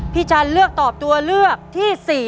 พี่จันทร์เลือกตอบตัวเลือกที่สี่